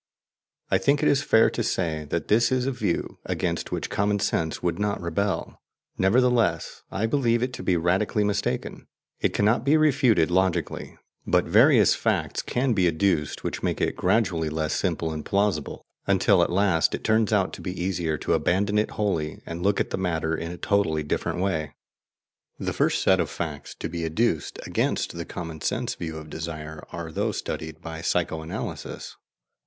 I think it is fair to say that this is a view against which common sense would not rebel; nevertheless, I believe it to be radically mistaken. It cannot be refuted logically, but various facts can be adduced which make it gradually less simple and plausible, until at last it turns out to be easier to abandon it wholly and look at the matter in a totally different way. The first set of facts to be adduced against the common sense view of desire are those studied by psycho analysis.